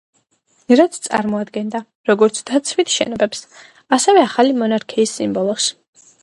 რაც წარმოადგენდა როგორც დაცვით შენობებს, ასევე ახალი მონარქიის სიმბოლოს.